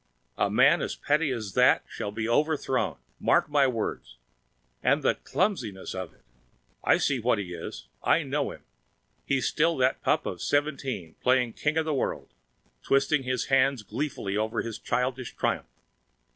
A man as petty as that shall be overthrown! Mark my words! And the clumsiness of it! I see what he is! I know him! He's still that pup of seventeen, playing king with the world, twisting his hands in glee over his childish triumph.